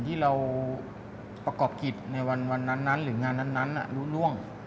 ที่เราประกอบกิจในวันนั้นหรืองานนั้นรู้ร่วง